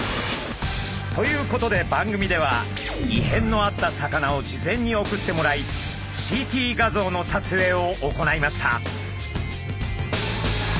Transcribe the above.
ということで番組では異変のあった魚を事前に送ってもらいＣＴ画像の撮影を行いました。